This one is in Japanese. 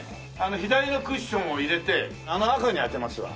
左のクッションを入れてあの赤に当てますわ。